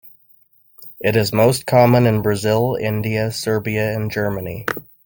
It is most common in Brazil, India, Siberia and Germany.